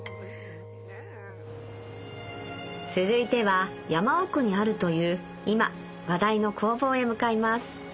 続いては山奥にあるという今話題の工房へ向かいます